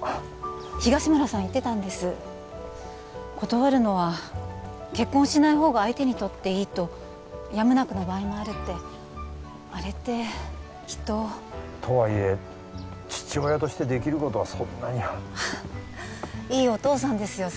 あ東村さん言ってたんです断るのは結婚しないほうが相手にとっていいとやむなくの場合もあるってあれってきっととはいえ父親としてできることはそんなにはいいお父さんですよ